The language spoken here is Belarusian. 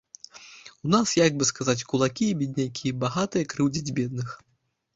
У нас, як бы сказаць, кулакі і беднякі, багатыя крыўдзяць бедных.